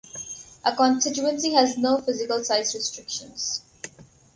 A constituency has no physical size restrictions.